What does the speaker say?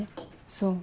そう。